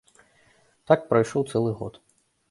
Так прайшоў цэлы год.